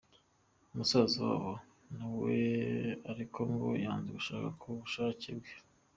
Musaza wabo nawe ariko ngo yanze gushaka ku bushake bwe.